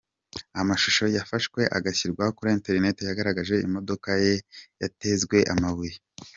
Amashusho yafashwe agashyirwa kuri internet yagaragaje imodoka ye yatezwe amabuye.